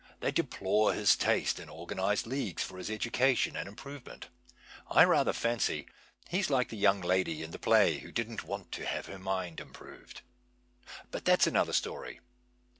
They deplore his taste and organize leagues for his education and improve ment. I rather fancy he is like the young lady in the play who " didn't want to have her mind im proved." But that is another story.